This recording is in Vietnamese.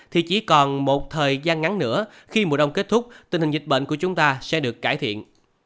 thời gian ngắn nữa khi mùa đông kết thúc tình hình dịch bệnh của chúng ta sẽ được cải thiện